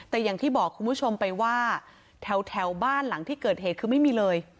แต่อย่างที่บอกคุณผู้ชมไปว่าแถวบ้านหลังที่เกิดเหตุคือไม่มีเลย